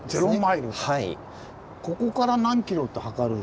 ここから何キロって測る。